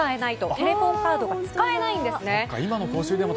テレフォンカードが使えないんですね。